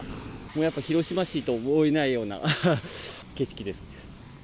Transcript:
やっぱ広島市とは思えないような景色です。